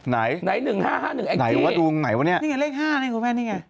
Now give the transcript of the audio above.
นี่ไงครับคุณแม่ไหน๑๕๕๑ไอ้เจ๊นี่ไงเลข๕นี่ไงคุณแม่